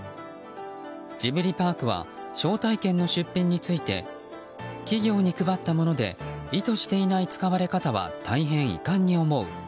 ジブリパークは招待券の出品について企業に配ったもので意図していない使われ方は大変遺憾に思う。